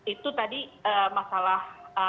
itu tadi masalah